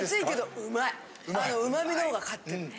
うまみのほうが勝ってる。